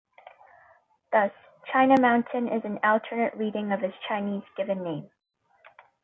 Thus, "China Mountain" is an alternate reading of his Chinese given name.